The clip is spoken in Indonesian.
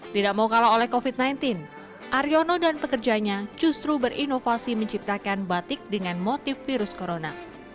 tidak mau kalah oleh covid sembilan belas aryono dan pekerjanya justru berinovasi menciptakan batik dengan motif virus corona